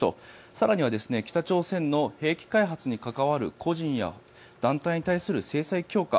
更には北朝鮮の兵器開発に関わる個人や団体に対する制裁強化